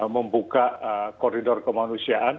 membuka koridor kemanusiaan